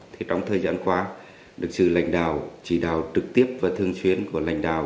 thì trong thời gian qua được sự lãnh đạo chỉ đạo trực tiếp và thương chuyến của lãnh đạo